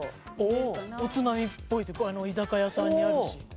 おつまみっぽい居酒屋さんにあるし。